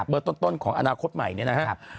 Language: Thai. ต้นของอนาคตใหม่เนี่ยนะครับ